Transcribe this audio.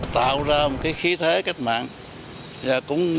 tạo ra một khí thế cách mạng